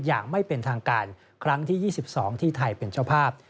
อย่างไม่เป็นทางการครั้งที่๒๒ที่ไทยเป็นเจ้าภาพ